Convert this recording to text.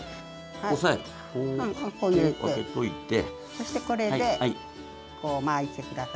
そしてこれでこう巻いてください。